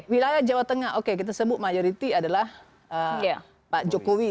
wilayah jawa tengah oke kita sebut majority adalah pak jokowi